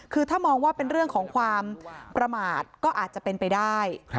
คือถ้ามองว่าเป็นเรื่องของความประมาทก็อาจจะเป็นไปได้